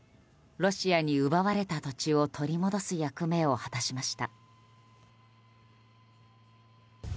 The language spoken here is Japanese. ロシアに奪われた土地を取り戻す役目を果たしました。